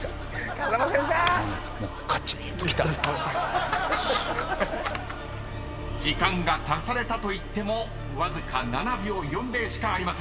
［時間が足されたといってもわずか７秒４０しかありません］